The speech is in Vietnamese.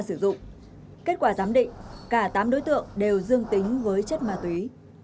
sử dụng kết quả giám định cả tám đối tượng đều dương tính với chất ma túy